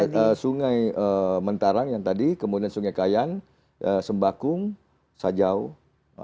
dari sungai mentara yang tadi kemudian sungai kayan sembakung sajawang